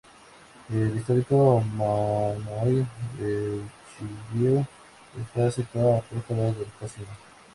El histórico Manoir Richelieu está situado justo al lado del casino.